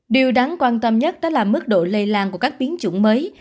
điều đáng quan tâm nhất đó là mức độ lây lan của các biến chủng mới